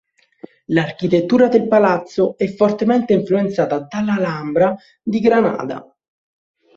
L'architettura del palazzo è fortemente influenzata dall'Alhambra di Granada.